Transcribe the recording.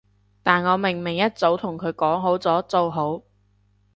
但我明明一早同佢講好咗，做好